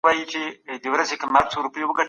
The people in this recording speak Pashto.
ولي پخواني دردونه لا هم زموږ پر اوسني ژوند اغېز کوي؟